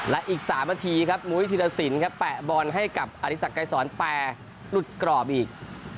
และอีก๓นาทีครับหมู่วิทยาศิลป์แปะบอลให้กับอธิสักษ์ไกรศรแปรรุดกรอบอีก